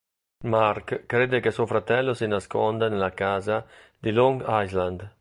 Mark crede che suo fratello si nasconda nella casa di Long Island.